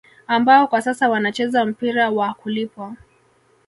Ambao kwa sasa wanacheza mpira wa kulipwa